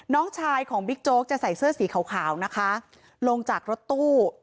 น้องชายของบิ๊กโจ๊กจะใส่เสื้อสีขาวนะคะลงจากรถตู้